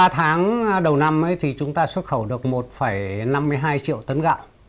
ba tháng đầu năm thì chúng ta xuất khẩu được một năm mươi hai triệu tấn gạo